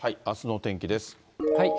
あすのお天気です。